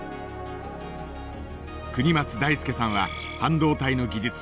国松大介さんは半導体の技術者。